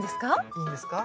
いいんですか？